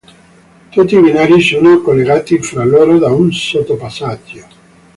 Tutti i binari sono collegati fra loro da un sottopassaggio.